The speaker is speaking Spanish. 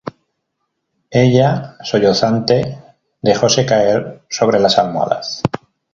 ella, sollozante, dejóse caer sobre las almohadas: